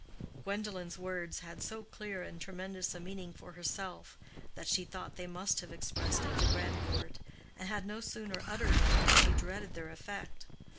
Gwendolen's words had so clear and tremendous a meaning for herself that she thought they must have expressed it to Grandcourt, and had no sooner uttered them than she dreaded their effect.